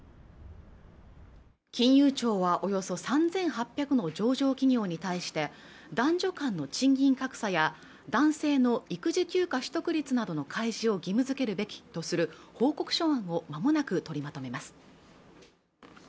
金融庁はおよそ３８００の上場企業に対して男女間の賃金格差や男性の育児休暇取得率などの開示を義務づけるべきとする報告書案をまもなく取りまとめます